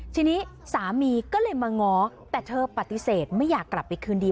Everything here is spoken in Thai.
ทีนี้สามีก็เลยมาง้อแต่เธอปฏิเสธไม่อยากกลับไปคืนดี